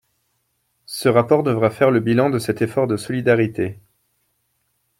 Ce rapport devra faire le bilan de cet effort de solidarité.